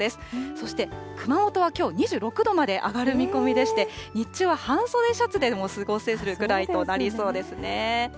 そして熊本はきょう、２６度まで上がる見込みでして、日中は半袖シャツでも過ごせるぐらいとなりそうですね。